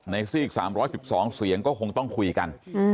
ในสิ่ง๓๑๒เสียงก็คงต้องคุยกัน